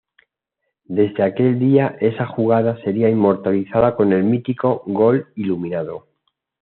Desde aquel día esa jugada sería inmortalizada como el mítico "Gol Iluminado".